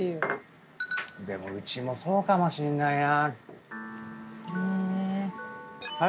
でもうちもそうかもしんないな。